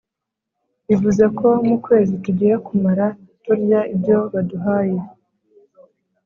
Bivuze ko mu kwezi tugiye kumara turya ibyo baduhaye,